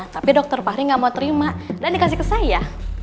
tapi dokter fahri nggak mau terima dan dikasih ke saya